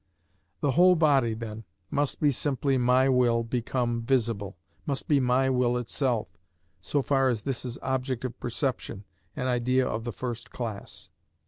The whole body, then, must be simply my will become visible, must be my will itself, so far as this is object of perception, an idea of the first class.